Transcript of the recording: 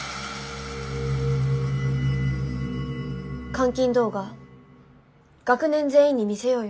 監禁動画学年全員に見せようよ。